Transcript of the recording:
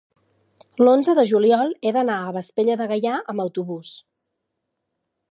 l'onze de juliol he d'anar a Vespella de Gaià amb autobús.